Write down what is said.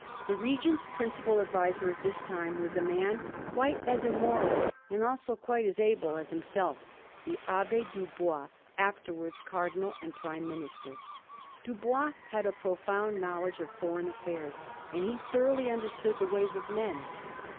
The Regent's principal adviser at this time was a man quite as immoral, and also quite as able, as himself — the Abb6 Dubois, after wards Cardinal and Prime Minister. Dubois had a profound knowledge of foreign affairs, and he thoroughly understood the ways of men.